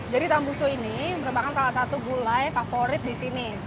jadi tambusu ini merupakan salah satu gulai favorit disini